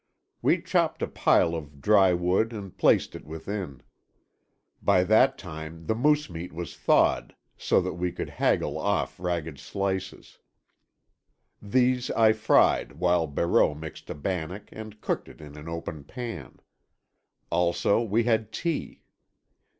We chopped a pile of dry wood and placed it within. By that time the moose meat was thawed so that we could haggle off ragged slices. These I fried while Barreau mixed a bannock and cooked it in an open pan. Also we had tea.